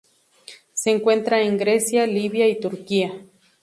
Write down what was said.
Se encuentra en Grecia, Libia y Turquía.